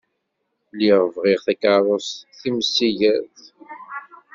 Lliɣ bɣiɣ takeṛṛust timsigert.